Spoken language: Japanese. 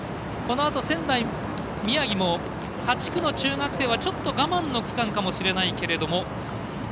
このあと宮城も８区の中学生はちょっと我慢の区間かもしれない。